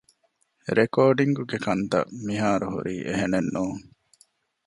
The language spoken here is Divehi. ރެކޯޑިންގގެ ކަންތައް މިހާރުހުރީ އެހެނެއްނޫން